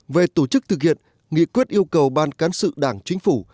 về tổ chức thực hiện nghị quyết yêu cầu ban cán sự đảng chính phủ